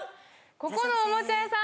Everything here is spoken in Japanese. ここのおもちゃ屋さん